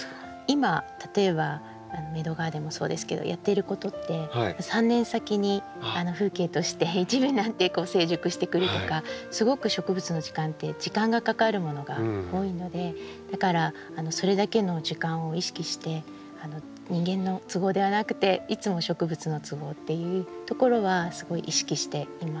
今例えばメドウガーデンもそうですけどやっていることって３年先に風景として一部になって成熟してくるとかすごく植物の時間って時間がかかるものが多いのでだからそれだけの時間を意識して人間の都合ではなくていつも植物の都合っていうところはすごい意識していますね。